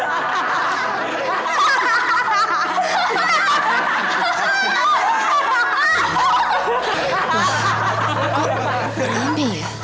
wah kok berambing ya